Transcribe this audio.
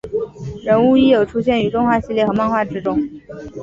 人物亦有出现于动画系列和漫画之中。